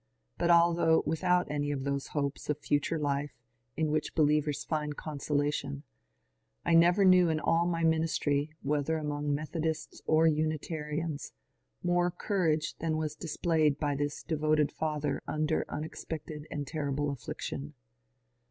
But although without any of those hopes of future life in which believers find consolation, I never knew in all my min istry, whether among Methodists or Unitarians, more courage than was displayed by this devoted father under unexpected and terrible afi&iction.